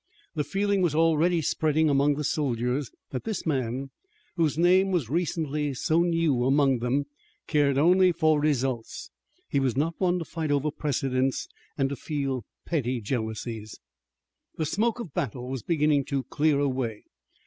The feeling was already spreading among the soldiers that this man, whose name was recently so new among them, cared only for results. He was not one to fight over precedence and to feel petty jealousies. The smoke of battle was beginning to clear away.